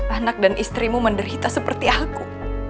anak dan istrimu menderita seperti aku